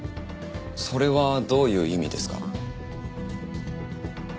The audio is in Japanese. それはどういう意味ですか？